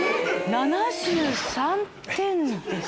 ７３点です。